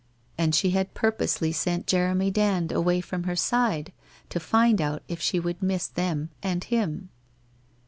And she had purposely sent Jeremy Dand away from her side to find out if she would miss them and him.